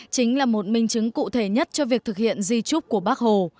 chính là một minh chứng cụ thể nhất cho việc thực hiện di trúc của bác hồ